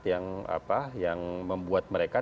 yang membuat mereka